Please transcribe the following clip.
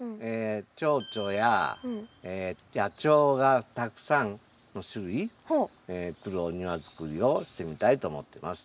チョウチョや野鳥がたくさんの種類来るお庭作りをしてみたいと思ってます。